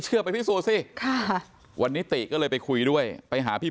ไปพิสูจน์สิค่ะวันนี้ติก็เลยไปคุยด้วยไปหาพี่